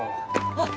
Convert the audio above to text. あっ！